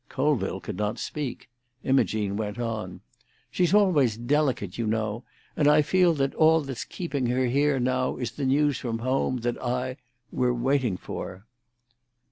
Colville could not speak; Imogene went on. "She's always delicate, you know. And I feel that all that's keeping her here now is the news from home that I—we're waiting for."